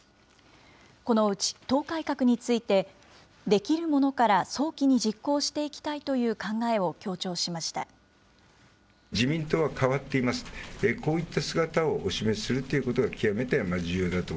このうち党改革について、できるものから早期に実行していきたいという考えを強調しました。